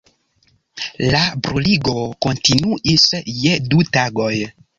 La bruligo kontinuis je du tagoj.